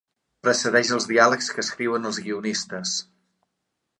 Precedeix els diàlegs que escriuen els guionistes.